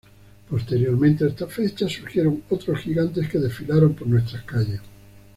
Posteriormente a esta fecha surgieron otros gigantes que desfilaron por nuestras calles.